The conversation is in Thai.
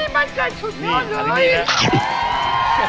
มันใจฉุดน้อยเลย